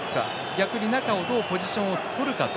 逆に中をどうポジションをとるか。